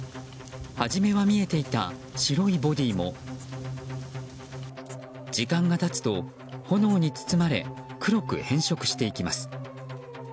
初めは見えていた白いボディーも時間が経つと、炎に包まれ黒く変色していきます。